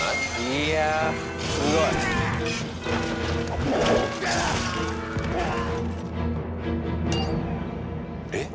いやあ、すごい！えっ？